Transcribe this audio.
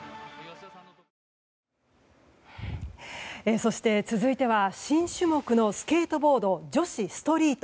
そして、続いては新種目のスケートボード女子ストリート。